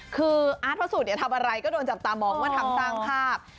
คืออาร์ตพระสุทธิ์ทำอะไรก็โดนจับตามองว่าทำสร้างภาพ